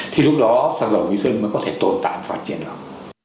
thì lúc đó xăng dầu nghĩa sơn mới có thể tồn tại và phát triển được